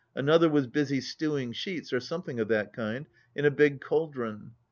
Another was busy stewing sheets, or something of that kind, in a big cauldron.